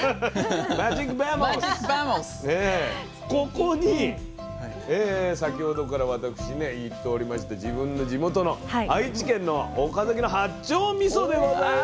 ここに先ほどから私ね言っておりました自分の地元の愛知県の岡崎の八丁みそでございます。